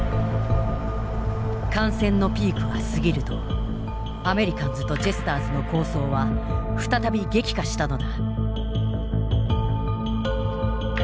感染のピークが過ぎるとアメリカンズとジェスターズの抗争は再び激化したのだ。